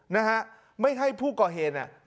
นะฮะไม่ให้ผู้ก่อเหตุเนี่ย